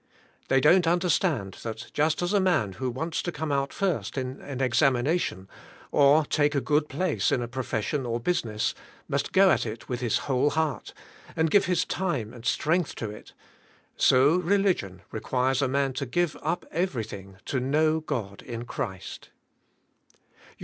They don't understand that just as a man who wants to come out first in an examination, or to take a good place in a profession or business, must go at it with his whole heart, and give his time and strength to it, so religion requires a man to give up everything to know God in Christ.